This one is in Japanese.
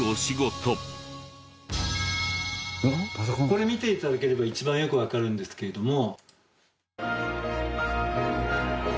これ見て頂けると一番よくわかるんですけれども。